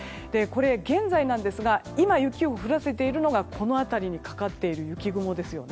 現在なんですが今、雪を降らせているのがこの辺りにかかっている雪雲ですよね。